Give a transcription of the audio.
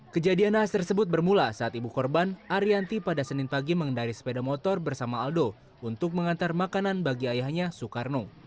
kejadian khas tersebut bermula saat ibu korban arianti pada senin pagi mengendari sepeda motor bersama aldo untuk mengantar makanan bagi ayahnya soekarno